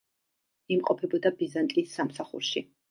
იმყოფებოდა ბიზანტიის სამსახურში.